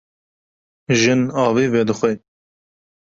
Jin avê vedixwe.